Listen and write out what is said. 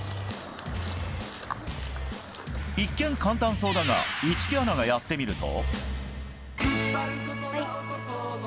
一見簡単そうだが市來アナがやってみると。